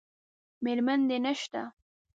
میرمن دې نشته؟